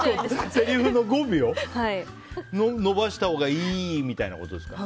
せりふの語尾を伸ばしたほうがいいみたいなことですか？